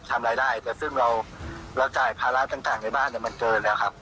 ทำรายได้แต่ซึ่งเราจ่ายภาระต่างในบ้านมันเกินแล้วครับ